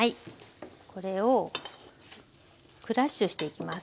これをクラッシュしていきます。